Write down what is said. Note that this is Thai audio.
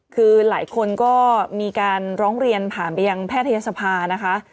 คือหลายคนก็มีการร้องเรียนผ่านไปยังแพทยศภานะคะ